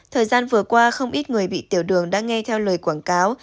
thời gian vừa qua không ít người bị tiểu đường đã nghe theo lời quảng cáo